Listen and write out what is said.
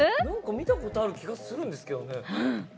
見たことある気がするんですけどね。